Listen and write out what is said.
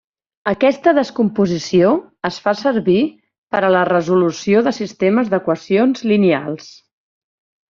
Aquesta descomposició es fa servir per a la resolució de sistemes d'equacions lineals.